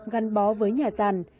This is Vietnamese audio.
gắn bó với nhà giàn